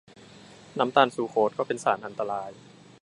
น้ำตาลซูโครสก็เป็นสารอันตราย